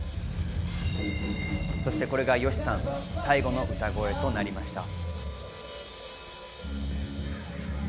そして、これがＹＯＳＨＩさん、最後の歌声となりました。